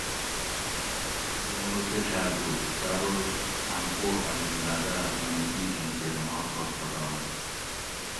یمرو کچھاۤل ھو؟ سہ ارو چھاۤں پو امیرزادأ تانی ایسیں کیر ماں تھوس پھوٹائ